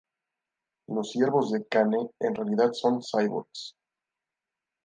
Los Siervos de Kane en realidad son Cyborgs.